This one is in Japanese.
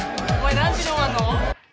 何時に終わんの？